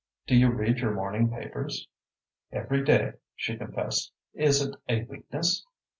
Do you read your morning papers?" "Every day," she confessed. "Is it a weakness?"